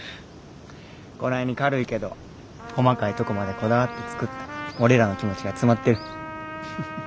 こないに軽いけど細かいとこまでこだわって作った俺らの気持ちが詰まってる。